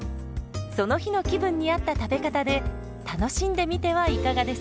その日の気分に合った食べ方で楽しんでみてはいかがですか？